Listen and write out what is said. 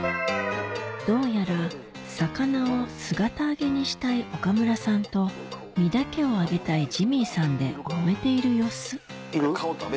どうやら魚を姿揚げにしたい岡村さんと身だけを揚げたいジミーさんでもめている様子